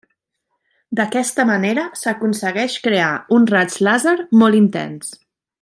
D'aquesta manera s'aconsegueix crear un raig làser molt intens.